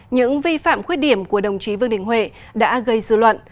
những vi phạm khuyết điểm của đồng chí vương đình huệ đã gây dư luận